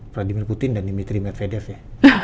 pradimir putin dan dmitri medvedev ya